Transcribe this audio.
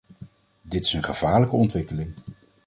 Dit is een gevaarlijke ontwikkeling.